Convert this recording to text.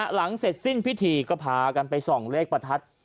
หลังเสร็จสิ้นพิธีก็พากันไปส่องเลขประทัด